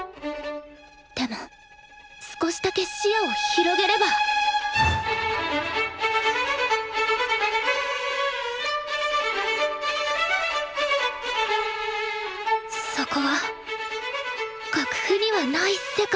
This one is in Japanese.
でも少しだけ視野を広げればそこは楽譜にはない世界。